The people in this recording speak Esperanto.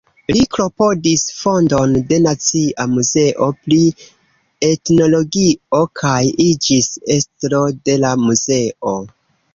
Li klopodis fondon de Nacia Muzeo pri Etnologio kaj iĝis estro de la muzeo.